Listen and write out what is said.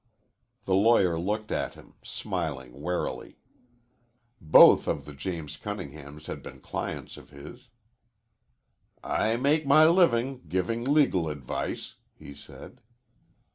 The lawyer looked at him, smiling warily. Both of the James Cunninghams had been clients of his. "I make my living giving legal advice," he said.